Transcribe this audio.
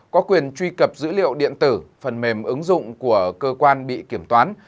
có quyền truy cập dữ liệu điện tử phần mềm ứng dụng của cơ quan bị kiểm toán